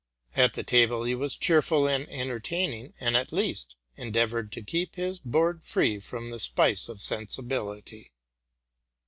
At table he was cheerful and entertaining, and at least endeavored to keep his board free from the spice of sensibility.